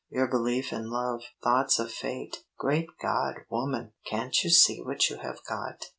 your belief in love? thoughts of fate? Great God, woman, can't you see what you have got?"